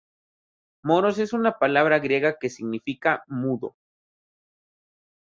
Moros es una palabra griega que significa "mudo".